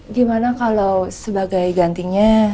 gimana kalau sebagai gantinya